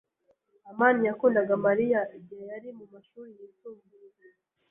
amani yakundaga Mariya igihe yari mu mashuri yisumbuye.